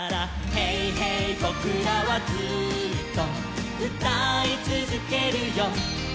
「ＨＥＹ！ＨＥＹ！ぼくらはずっとうたいつづけるよ」